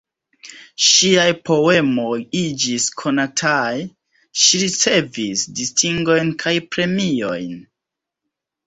Ŝiaj poemoj iĝis konataj, ŝi ricevis distingojn kaj premiojn.